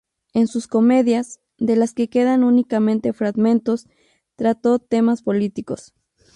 En sus comedias, de las que quedan únicamente fragmentos, trató temas políticos.